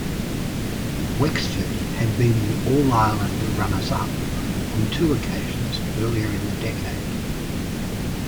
Wexford had been the All-Ireland runners-up on two occasions earlier in the decade.